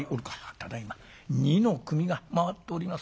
「ただいま二の組が回っております」。